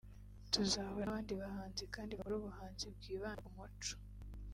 “Tuzahura n’abandi bahanzi kandi bakora ubuhanzi bwibanda ku muco